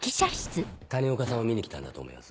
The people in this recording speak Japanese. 谷岡さんを見にきたんだと思います。